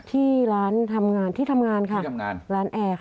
ที่ร้านทำงานที่ทำงานค่ะร้านแอร์ค่ะ